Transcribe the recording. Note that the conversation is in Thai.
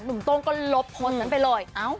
โต้งก็ลบโพสต์นั้นไปเลย